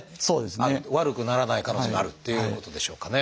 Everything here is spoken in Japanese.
悪くならない可能性もあるっていうことでしょうかね。